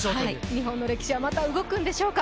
日本の歴史はまた動くんでしょうか。